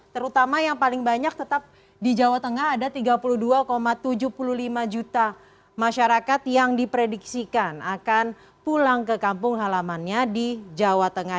terutama yang paling banyak tetap di jawa tengah ada tiga puluh dua tujuh puluh lima juta masyarakat yang diprediksikan akan pulang ke kampung halamannya di jawa tengah